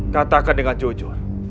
katakan dengan jujur